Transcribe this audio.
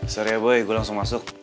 serius ya boy gue langsung masuk